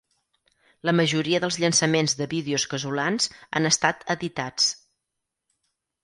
La majoria dels llançaments de vídeos casolans han estat editats.